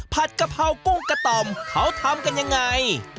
ผัดกระเภากุ้งกะต่อมเขาทำกันยังไง